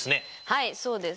はいそうです。